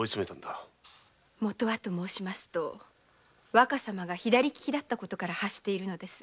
元はと言えば若様が左利きだった事から発しているのです。